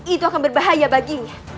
itu akan berbahaya baginya